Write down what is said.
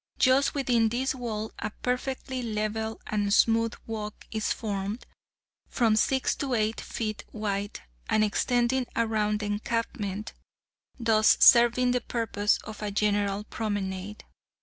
Just within this wall a perfectly level and smooth walk is formed, from six to eight feet wide, and extending around the encampment—thus serving the purpose of a general promenade.